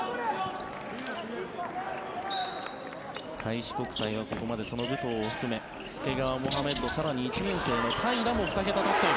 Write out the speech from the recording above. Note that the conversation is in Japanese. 開志国際はここまでその武藤を含め介川、モハメッド更に１年生の平良も２桁得点。